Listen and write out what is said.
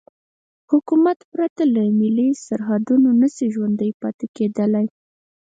حکومت پرته له ملي سرحدونو نشي ژوندی پاتې کېدای.